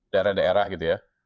daerah daerah gitu ya